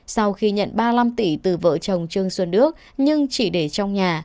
sau khi nhận ba mươi năm tỷ từ vợ chồng trương xuân đức nhưng chỉ để trong nhà